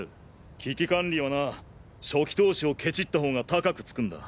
危機管理はな初期投資をケチったほうが高くつくんだ。